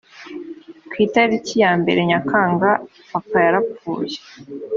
ku itariki ya mbere nyakanga papa yarapfuye